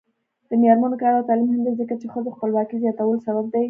د میرمنو کار او تعلیم مهم دی ځکه چې ښځو خپلواکۍ زیاتولو سبب دی.